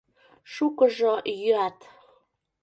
Шукыжо йӱат.